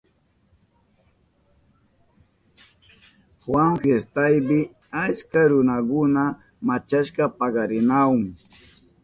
Juan fiestapi achka runakuna machashpa pakarinahun.